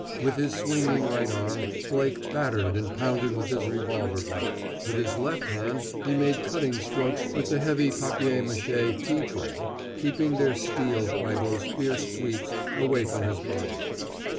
With his swinging right arm Blake battered and pounded with his revolver butt. With his left hand he made cutting strokes with the heavy papier mâché tea tray, keeping their steel, by those fierce sweeps, away from his body.